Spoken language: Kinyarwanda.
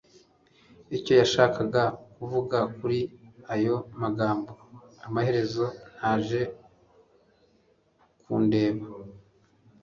Icyo yashakaga kuvuga kuri ayo magambo amaherezo naje kundeba